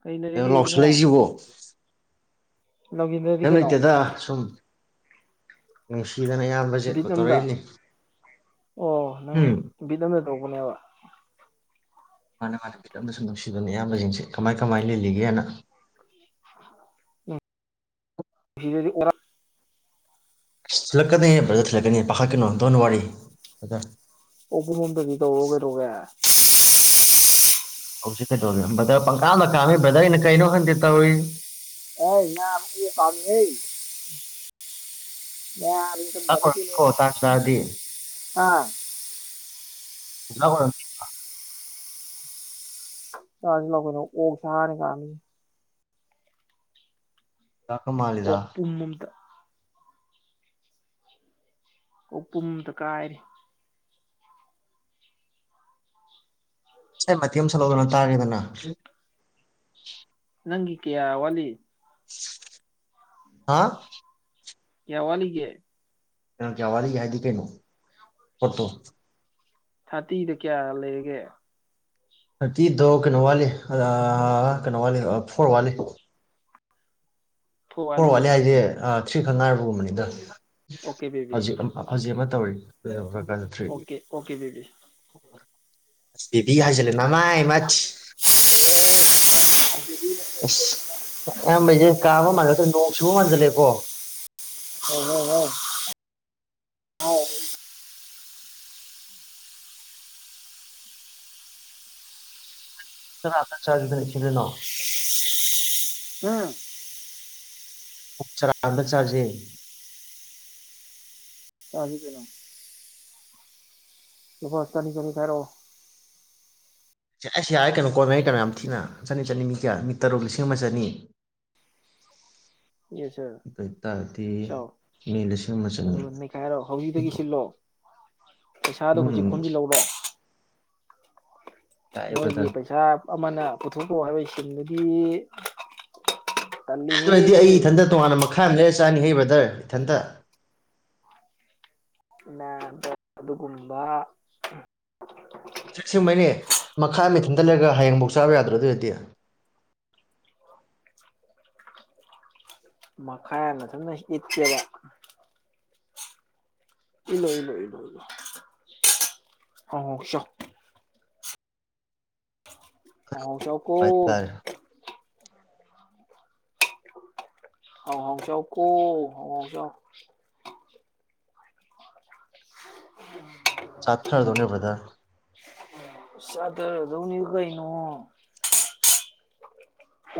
ꯀꯔꯤ ꯀꯩꯅꯣ ꯂꯩꯔꯒꯦ ꯏꯕꯨꯡꯉꯣ ꯂꯥꯎꯁꯜꯂꯛꯏꯁꯤꯕꯣ ꯅꯧꯒꯤꯟꯗꯗꯤ ꯀꯩꯝ ꯀꯩꯅꯣ ꯂꯩꯇꯦꯗ ꯁꯨꯝ ꯅꯨꯡꯁꯤꯗꯅ ꯏꯌꯥꯝ ꯕꯤꯠ ꯑꯝꯗ ꯑꯣ ꯅꯪ ꯎꯝ ꯕꯤꯠ ꯑꯗ ꯇꯧꯕꯅꯦꯕ ꯃꯥꯅ ꯃꯥꯅ ꯕꯤꯠ ꯑꯃꯗꯥ ꯁꯨꯝ ꯅꯨꯡꯁꯤꯕꯅꯦ ꯏꯌꯥꯝꯕꯁꯤꯡꯁꯦ ꯀꯃꯥꯏ ꯀꯃꯥꯏꯅ ꯂꯤꯜꯂꯤꯒꯦꯅ ꯅꯨꯡꯁꯤꯔꯗꯤ ꯑꯣꯛ ꯊꯤꯂꯛꯀꯅꯤ ꯕ꯭ꯔꯗꯔ ꯊꯤꯜꯂꯛꯀꯅꯤ ꯄꯥꯈꯠꯀꯅꯣ ꯗꯣꯟ ꯋꯥꯔꯤ ꯕ꯭ꯔꯗꯔ ꯑꯣꯛꯄꯨꯝ ꯑꯃꯇꯗꯤ ꯇꯧꯔꯛꯎ ꯀꯩꯗꯧꯒꯦ ꯍꯧꯖꯤꯛ ꯀꯩꯗꯧꯔꯤꯒꯦ ꯕ꯭ꯔꯗꯔ ꯄꯪꯀꯥꯝꯗ ꯀꯥꯝꯃꯤ ꯕ꯭ꯔꯗꯔ ꯑꯩꯅ ꯀꯩꯅꯣ ꯈꯪꯗꯦ ꯇꯧꯔꯤꯖꯦ ꯍꯩꯕ ꯅꯥꯕ ꯑꯣꯛ ꯀꯥꯝꯃꯤꯍꯦ ꯅꯌꯥꯝꯕ ꯆꯨꯖꯥꯛ ꯑꯣꯏꯔꯝꯅꯤꯀꯣ ꯇꯥꯟ ꯆꯥꯔꯗꯤ ꯑ ꯆꯨꯖꯥꯛ ꯑꯣꯏꯔꯝꯅꯤꯕ ꯆꯥꯔꯁꯤ ꯂꯥꯛꯑꯣ ꯀꯩꯅꯣ ꯑꯣꯛꯁꯥꯅꯤ ꯀꯥꯝꯃꯤꯁꯦ ꯆꯨꯖꯥꯛ ꯃꯥꯜꯂꯤꯗ ꯑꯣꯛꯄꯨꯝ ꯑꯃꯇꯥ ꯑꯣꯛꯄꯨꯝ ꯑꯃꯇꯥ ꯀꯥꯏꯔꯗꯤ ꯏꯁꯩ ꯃꯇꯦꯛ ꯑꯃ ꯁꯛꯂꯛꯎꯗꯅ ꯇꯥꯒꯦꯗꯅ ꯅꯪꯒꯤ ꯀꯌꯥ ꯋꯥꯠꯂꯤ ꯑꯥ ꯀꯌꯥ ꯋꯥꯠꯂꯤꯒꯦ ꯀꯩꯅꯣ ꯀꯌꯥ ꯋꯥꯠꯂꯤꯒꯦ ꯍꯥꯏꯗꯤ ꯀꯩꯅꯣ ꯄꯣꯠꯇꯣ ꯊꯥꯔꯇꯤꯗꯣ ꯀꯌꯥ ꯂꯩꯔꯒꯦ ꯊꯥꯔꯇꯤꯗꯣ ꯀꯩꯅꯣ ꯋꯥꯠꯂꯤ ꯑꯥ ꯀꯩꯅꯣ ꯋꯥꯠꯂꯤ ꯑ ꯐꯣꯔ ꯋꯥꯠꯂꯤ ꯐꯣꯔ ꯋꯥꯠꯂꯤ ꯍꯥꯏꯖꯦ ꯊ꯭ꯔꯤ ꯈꯛ ꯉꯥꯏꯔꯕꯒꯨꯝꯕꯅꯤꯗ ꯑꯣꯀꯦ ꯕꯦꯕꯤ ꯍꯧꯖꯤꯛ ꯑꯃ ꯍꯧꯖꯤꯛ ꯑꯃ ꯇꯧꯔꯤ ꯂꯣꯏꯕꯀꯥꯟꯗ ꯊ꯭ꯔꯤ ꯑꯣꯀꯦ ꯑꯣꯀꯦ ꯕꯦꯕꯤ ꯕꯦꯕꯤꯀ ꯍꯥꯏꯖꯜꯂꯦ ꯅꯃꯥꯏ ꯃꯠ ꯑꯁ ꯑꯌꯥꯝꯕꯩꯖꯦ ꯀꯥꯝꯕ ꯃꯥꯟꯖꯤꯜꯂꯛꯇꯔꯦ ꯅꯣꯡ ꯆꯨꯨꯕ ꯃꯥꯟꯖꯤꯜꯂꯛꯑꯦꯀꯣ ꯑꯣ [unintelligible] ꯍꯥꯎ ꯆꯔꯥ ꯑꯃꯇꯪꯅ ꯆꯥꯖꯤꯗꯅ ꯏꯆꯤꯟ ꯏꯅꯥꯎ ꯎꯝ ꯑꯣꯛ ꯆꯔꯥ [unintelligible] ꯆꯥꯥꯖꯦ ꯆꯥꯁꯤ ꯀꯩ ꯅꯣ ꯂꯨꯄꯥ ꯆꯅꯤ ꯆꯅꯤ ꯈꯥꯏꯔꯛꯑꯣ ꯑꯥꯏꯁ ꯌꯥꯔꯦ ꯀꯩꯅꯣ ꯀꯣꯟꯅꯔꯦ ꯀꯩꯅꯣ ꯌꯥꯝ ꯊꯤꯅ ꯆꯅꯤ ꯆꯅꯤ ꯃꯤ ꯀꯌꯥ ꯃꯤ ꯇꯔꯨꯛ ꯂꯤꯁꯤꯡ ꯑꯃ ꯆꯅꯤ ꯌꯦꯁ ꯁꯔ ꯑꯗꯣꯏ ꯇꯥꯗꯤ ꯁꯥꯎ ꯏꯪꯉꯦꯟ ꯗꯥ ꯁꯤꯌꯨꯝꯕ ꯆꯪꯕꯔꯣ ꯑꯗꯨꯒ ꯅꯩꯈꯥꯏꯔꯣ ꯍꯧꯖꯤꯛꯇꯒꯤ [unintelligible] ꯁꯤꯜꯂꯣ ꯄꯩꯁꯥꯗꯣ ꯍꯧꯖꯤꯛ ꯈꯣꯖꯤꯜꯂꯎꯔꯣ ꯌꯥꯏꯌꯦ ꯅꯣꯏꯒꯤ ꯕ꯭ꯔꯗꯔ ꯄꯩꯁꯥ ꯑꯃꯅ ꯄꯨꯊꯣꯛꯎ ꯍꯥꯏꯕꯩ ꯁꯤꯟꯗꯨꯗꯤ ꯑꯗꯨ ꯇꯜꯂꯤꯍꯦ ꯑꯣꯏꯔꯗꯤ ꯑꯩ ꯏꯊꯟꯇ ꯇꯣꯉꯥꯟꯅ ꯃꯈꯥꯏ ꯑꯃ ꯂꯩꯔ ꯆꯥꯅꯤꯍꯦ ꯕꯔ꯭ꯗꯔ ꯏꯊꯟꯇ ꯅꯥꯕ ꯑꯗꯨꯒꯨꯝꯕ ꯆꯦꯛꯁꯤꯟꯕꯩꯅꯦ ꯃꯈꯥꯏ ꯑꯃ ꯏꯊꯟꯇ ꯂꯩꯔꯒ ꯍꯌꯦꯡꯕꯧ ꯆꯥꯕ ꯌꯥꯗꯔꯣ ꯑꯗꯨ ꯑꯣꯏꯗꯤ ꯃꯈꯣꯏ ꯑꯃ ꯅꯊꯟꯇꯥ ꯏꯠꯀꯦꯕꯥ ꯏꯠꯂꯨ ꯏꯠꯂꯨ ꯏꯠꯂꯨ ꯏꯠꯂꯨ ꯍꯥꯎ ꯍꯥꯎ ꯆꯥꯎ ꯍꯥꯎ ꯍꯥꯎ ꯆꯥꯎꯀꯣ ꯍꯥꯏꯇꯥꯔꯦ ꯍꯥꯎ ꯍꯥꯎ ꯆꯥꯎ ꯀꯣ ꯍꯥꯎ ꯍꯥꯎ ꯆꯥꯎ [unintelligible] ꯆꯥꯊꯔꯗꯣꯅꯦ ꯕꯔꯥꯗꯔ ꯆꯊꯥꯔꯗꯣꯅꯤ ꯀꯩꯅꯣ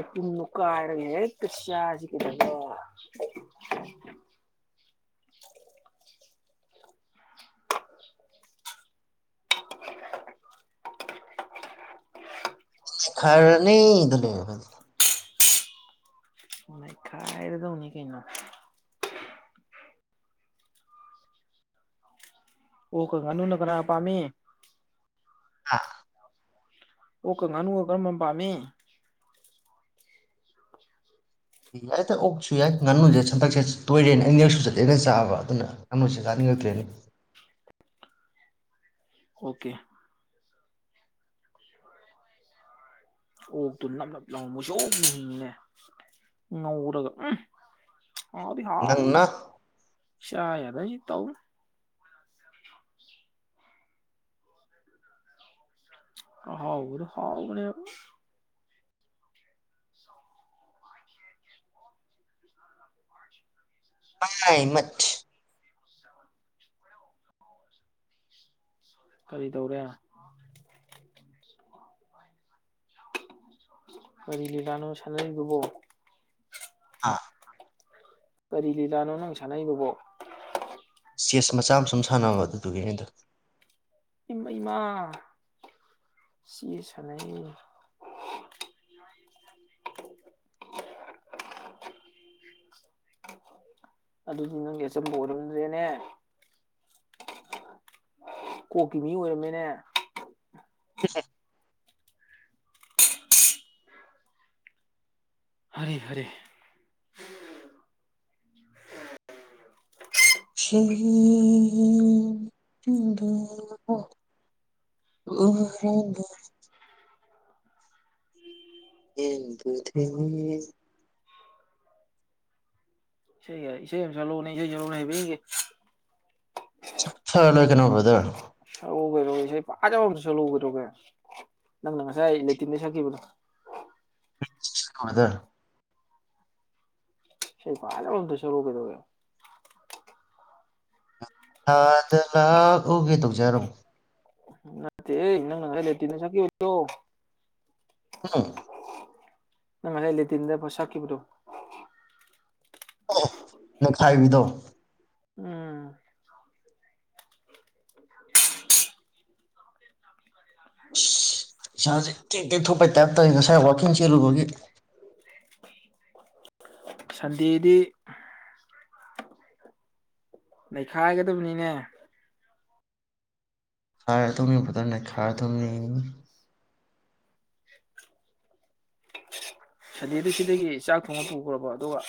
ꯎꯄꯨꯨꯝꯗꯨ ꯀꯥꯏꯔꯒ ꯍꯦꯛꯇ ꯆꯥꯁꯤ ꯀꯦꯗꯩꯩ [unintelligible] [unintelligible] ꯅꯤꯡꯈꯥꯏꯔꯅꯤ [unintelligible] ꯅꯩꯈꯥꯏꯔ ꯇꯧꯅꯤ ꯀꯩꯅꯣ ꯑꯣꯛꯀ ꯉꯥꯅꯨꯅꯥ ꯀꯅꯥ ꯄꯥꯃꯤ ꯉꯥ ꯑꯣꯛꯀ ꯉꯥꯅꯨꯒ ꯀꯔꯝꯕꯅ ꯄꯥꯝꯃꯤ ꯌꯥꯔꯦꯗ ꯑꯣꯛꯁꯨ ꯌꯥꯏ ꯉꯥꯅꯨꯁꯦ ꯁꯟꯗꯛꯁꯦ ꯇꯣꯏꯔꯦꯅꯦ ꯑꯅꯤꯔꯛ ꯁꯨꯖꯤꯜꯂꯛ ꯑꯦꯅꯦ ꯆꯥꯕ ꯑꯗꯨꯅ ꯉꯥꯅꯨꯁꯤ ꯆꯥꯅꯤꯡꯉꯛꯇ꯭ꯔꯦꯅꯦ ꯑꯣꯀꯦ ꯑꯣꯛꯇꯨ ꯅꯞ ꯅꯞ ꯂꯥꯎꯅ ꯃꯨꯁꯨꯛ ꯃꯨꯅꯅꯦ ꯉꯧꯔꯒ ꯎꯝ ꯍꯥꯎꯗꯤ ꯍꯥꯥꯎꯅꯤ ꯅꯪꯅ ꯆꯥ ꯌꯥꯗꯩꯩ ꯇꯧꯅꯤ ꯍꯥꯎ ꯍꯥꯎꯕꯅꯦꯕꯨ ꯄꯥꯏ ꯃ [inaudible] ꯀꯔꯤ ꯇꯧꯔꯦ ꯀꯔꯤ ꯂꯤ ꯀꯅꯣ ꯁꯥꯟꯅꯩꯔꯤꯕꯕꯣ ꯑꯥ ꯀꯔꯤ ꯂꯤꯂꯥꯅꯣ ꯅꯪ ꯁꯥꯟꯅꯕꯣ ꯆꯦꯁ ꯃꯆꯥ ꯑꯃ ꯁꯨꯝ ꯁꯥꯟꯅꯕ ꯑꯗꯨꯗꯨꯒꯤ ꯅꯤꯗ ꯏꯃ ꯏꯃꯥ ꯆꯦ ꯁꯥꯟꯅꯩ ꯑꯗꯨꯗꯤ ꯅꯪꯒꯤ ꯑꯆꯝꯕ ꯑꯣꯏꯔꯝꯗꯨ꯭ꯔꯦꯅꯦ ꯀꯣꯛꯀꯤ ꯃꯤ ꯑꯣꯏꯔꯝꯃꯤꯅꯦ ꯍꯔꯤ ꯍꯔꯤ ꯁꯤ [unintelligible] ꯑꯣ [unintelligible] ꯍ [unintelligible] ꯏꯁꯩ ꯌꯥꯏ ꯏꯁꯩ ꯑꯃ ꯆꯠꯂꯛꯅꯦ ꯏꯁꯩ ꯆꯠꯂꯅꯦ ꯍꯥꯏꯕꯦ ꯍꯂ ꯀꯅꯕꯗꯣ ꯁꯛꯎ ꯑꯣꯏꯔꯣ ꯏꯁꯩ ꯄꯥꯖꯕ ꯑꯗ ꯁꯂꯨꯔꯣꯒꯦ ꯅꯪꯅ ꯉꯁꯥꯏ ꯂꯦꯇꯤꯟꯗ ꯁꯛꯈꯤꯕꯗꯣ ꯗ [unintelligible] ꯁꯤ ꯐꯥꯏꯗꯁꯨꯔꯨꯒꯗꯧꯦꯣ ꯑꯥꯗ ꯂꯥꯛꯎꯒꯦ ꯇꯧꯖꯔꯝꯃꯣ ꯅꯠꯇꯦ ꯅꯪꯅꯪꯉ ꯂꯩꯦꯇ ꯅ ꯁꯈꯤꯕꯣ ꯎ ꯅꯪꯁ ꯏ ꯂꯩꯗꯤꯤꯟꯗ ꯕꯁ ꯍꯥꯀꯤꯈꯤꯕ꯭ꯔꯣ ꯅ ꯈꯥꯏꯕꯤꯗꯣ ꯎꯝ ꯏꯁꯥꯁꯦ ꯇꯦꯛ ꯇꯦꯛ ꯊꯣꯛꯄꯩ ꯇꯥꯏꯞꯇꯧ ꯉꯁꯥꯏ ꯋꯥꯋꯥꯛꯀꯤꯡ ꯆꯦꯜꯂꯨꯕꯒꯤ ꯁꯟꯗꯦꯗꯤ ꯂꯩꯩꯈꯥꯏꯒꯗꯕꯅꯤꯅꯦ ꯈꯥꯏꯔ ꯊꯧꯅꯤ ꯄꯊꯅ ꯈꯥꯔ ꯊꯧꯅꯤ ꯁꯟꯗꯦꯗꯨ ꯁꯤꯗꯒꯤ ꯆꯥꯛ ꯊꯣꯡꯉ ꯄꯨꯈ꯭ꯔꯕ ꯑꯗꯨꯒ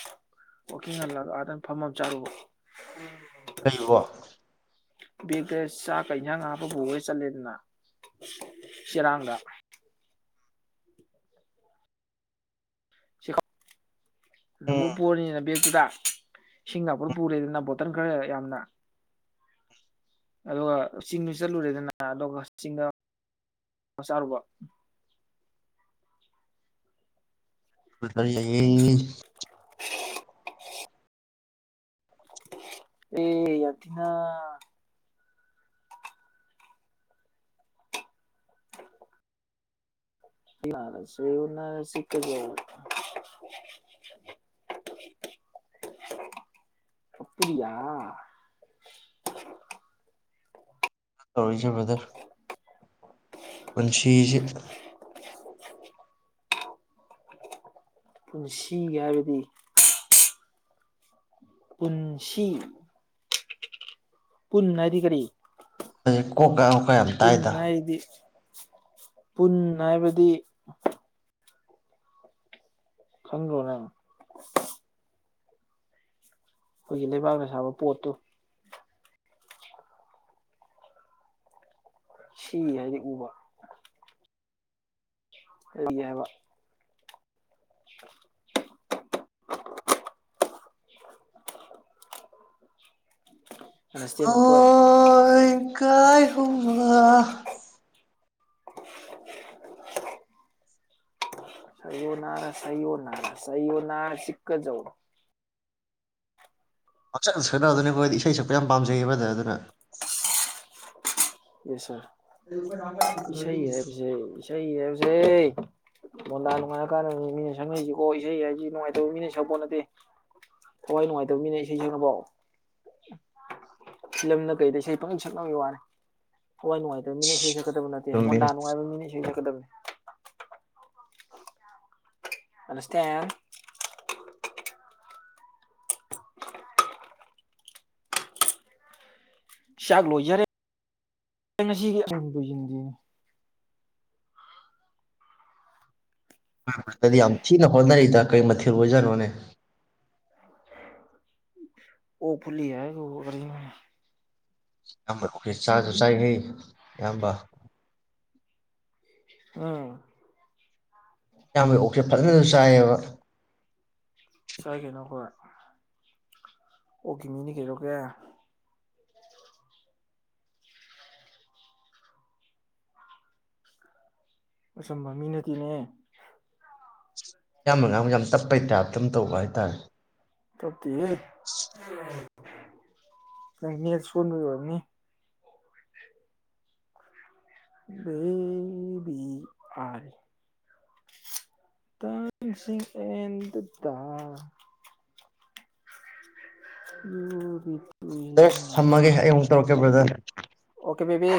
ꯋꯥꯛꯀꯤꯡ ꯍꯜꯂꯒ ꯑꯥꯗꯅ ꯐꯝ ꯆꯥꯔꯨꯕ ꯎꯝ ꯀꯩꯕꯣ ꯕꯦꯛꯇꯦ ꯆꯥꯛꯀ ꯏꯟꯖꯥꯡ ꯍꯥꯞꯄ ꯄꯨꯔ ꯆꯠꯂꯦꯗꯅ ꯆꯦꯔꯥꯡꯗ ꯅꯕꯨ ꯎꯝ ꯄꯨꯔꯅꯤꯅ ꯕꯦꯒꯛꯇꯨꯗ ꯏꯁꯤꯡꯗꯞꯄꯗ ꯄꯨꯔꯦꯗꯅ ꯕꯣꯇꯜ ꯈꯔ ꯌꯥꯝꯅ ꯑꯗꯨꯒ ꯆꯤꯡꯁꯨ ꯆꯠꯂꯨꯔꯦꯗꯅ ꯑꯗꯨꯒ ꯆꯤꯡꯗ ꯆꯥꯔꯨꯕ ꯑꯩ ꯑꯦ ꯌꯥꯗꯤꯅ ꯌꯥꯁꯨꯟꯅ ꯁꯤ [inaudible] ꯑꯄꯌꯥ ꯇꯧꯔꯤꯁꯦꯕ꯭ꯔꯗꯔ [inaudible] ꯄꯨꯟꯁꯤꯤ ꯄꯨꯟꯁꯤꯒꯤ ꯍꯥꯏꯕꯗꯤ ꯄꯨꯟꯁꯤ ꯄꯨꯟꯅꯗꯤ ꯀꯔꯤ ꯍꯥꯏꯩ ꯀꯣꯛꯀ ꯀ ꯌꯥꯝ ꯇꯥꯏꯗ ꯄꯨꯟ ꯍꯥꯏꯗꯤ ꯄꯨꯟ ꯍꯥꯏꯕꯗꯤ ꯊꯪꯒꯣꯅ ꯑꯩꯈꯣꯏꯒꯤ ꯂꯩꯕꯥꯛꯅ ꯁꯥꯕ ꯄꯣꯠꯇꯨ ꯁꯤ ꯍꯥꯏꯗꯤ ꯎꯕ ꯂꯝꯅꯤ ꯍꯥꯏꯕ [unintelligible] ꯑꯟꯗꯔꯁꯇꯦꯟ ꯃꯥꯏ ꯄꯣꯏꯟ ꯑꯣꯏ ꯀꯥꯏ ꯍꯧꯕ ꯁꯌꯣꯅꯥꯔ ꯁꯌꯣꯅꯔ ꯁꯌꯣꯅꯅꯥꯔ ꯆꯤꯛꯀꯗꯧꯔꯦ ꯄꯛꯁꯛꯅ ꯁꯛꯅꯅꯕꯗꯨꯅꯦ ꯑꯩꯈꯣꯏꯗꯤ ꯏꯁꯩ ꯁꯛꯄ ꯌꯥꯝ ꯄꯥꯝꯖꯩꯕꯗ ꯑꯗꯨꯅ ꯌꯦꯟꯁꯪ ꯏꯁꯩ ꯍꯥꯏꯕꯁꯦ ꯏꯁꯩ ꯍꯥꯏꯕꯁꯦ ꯃꯣꯟꯗꯥ ꯅꯨꯡꯉꯥꯏꯔ ꯀꯥꯟꯗꯅꯤ ꯃꯤꯅ ꯁꯛꯅꯩꯁꯤꯀꯣ ꯏꯁꯩ ꯍꯥꯏꯖꯤ ꯅꯨꯡꯉꯥꯏꯇꯕ ꯃꯤꯅ ꯁꯛꯄꯣꯠ ꯅꯠꯇꯦ ꯊꯋꯥꯏ ꯅꯨꯡꯉꯥꯏꯇꯕ ꯃꯤꯅ ꯏꯁꯩ ꯁꯛꯅꯕꯣ ꯐꯤꯂꯝꯗ ꯀꯩꯗ ꯏꯁꯩ ꯄꯪ ꯁꯛꯅꯕ ꯋꯥꯅꯦ ꯊꯋꯥꯏ ꯅꯨꯡꯉꯥꯏ ꯇꯕ ꯃꯤꯅ‌ ꯏꯁꯩ ꯁꯛꯀꯗꯕ ꯅꯠꯇꯦ ꯆꯨꯝꯃꯤꯅꯦ ꯃꯣꯟꯗꯥ ꯅꯨꯡꯉꯥꯏꯕ ꯃꯤꯅ ꯏꯁꯩ ꯁꯛꯀꯗꯕꯅꯤ ꯑꯟꯗꯁꯇꯦꯟ ꯆꯥꯛ ꯂꯣꯏꯖꯔꯦ ꯉꯁꯤꯒꯤ [unintelligible] ꯌꯥꯝ ꯊꯤꯅ ꯍꯣꯠꯅꯔꯤꯗ ꯀꯩ ꯃꯊꯤꯦꯜ ꯑꯣꯏꯖꯅꯣꯅꯦ ꯑꯣꯛ ꯐꯨꯠꯂꯤ ꯍꯥꯏꯒꯣ ꯑꯌꯥꯝꯕ ꯆꯥꯁꯨ ꯆꯥꯏꯍꯦ ꯏꯌꯥꯝꯕ ꯎꯝ ꯏꯌꯥꯝꯕꯩ ꯑꯣꯛꯁꯦ ꯐꯖꯅꯁꯨ ꯆꯥꯏꯑꯦꯕ ꯆꯥꯏ ꯀꯩꯅꯣꯈꯣꯏ ꯑꯣꯛꯀꯤ ꯃꯤꯅꯤ ꯀꯩꯗꯧꯔꯒꯦ ꯑꯆꯥꯝꯕ ꯃꯤ ꯅꯠꯇꯦꯅꯦ ꯏꯌꯥꯝꯕꯅ ꯉꯥꯡꯕꯖꯦ ꯌꯥꯝ ꯇꯞꯄꯩ ꯇꯥꯏꯞꯇ ꯇꯧꯕ ꯍꯥꯏꯇꯥꯔꯦ ꯇꯞꯇꯤꯌꯦ ꯑꯁ [inaudible] ꯅꯪ ꯅꯦꯠ ꯁꯣꯟꯕꯩ ꯑꯣꯏꯔꯝꯅꯤ ꯈꯪ ꯕꯤ ꯑꯥꯔꯤ [inaudible] [inaudible] ꯎꯝ ꯍꯝ [inaudible] ꯑꯦꯁ ꯊꯝꯃꯒꯦ ꯑꯩ ꯑꯃꯨꯛ ꯇꯧꯔꯛꯀꯦ ꯕ꯭ꯔꯗꯔ ꯑꯣꯀꯦ ꯕꯦꯕꯤ